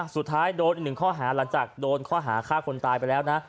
สุดท้ายโดนอีกหนึ่งข้อหาหลังจากโดนข้อหาฆ่าคนตายไปแล้วนะ